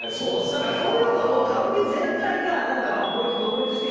なんかそういうのも歌舞伎全体が「こいつ独立してやるぞ」